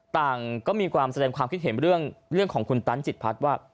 ต่างก็มีความแสดงความคิดเห็นเรื่องของคุณตันจิตพัฒน์ว่า